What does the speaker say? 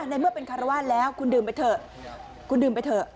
ในเมื่อเป็นคราวาสแล้วคุณดื่มไปเถอะ